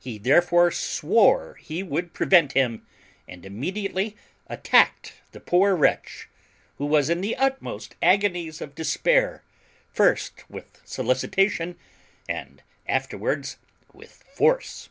He therefore swore he would prevent him, and immediately attacked the poor wretch, who was in the utmost agonies of despair, first with solicitation, and afterwards with force.